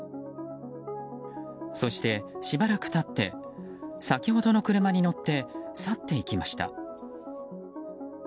そしてしばらく経って先ほどの車に乗って去っていきました。